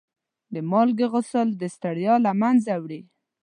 د مالګې غسل د ستړیا له منځه وړي.